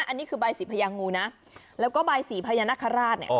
อันนี้คือใบสีพญางูนะแล้วก็ใบสีพญานาคาราชเนี่ย